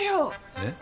えっ？